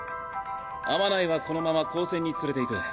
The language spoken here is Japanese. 天内はこのまま高専に連れていく。